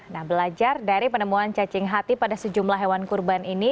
nah belajar dari penemuan cacing hati pada sejumlah hewan kurban ini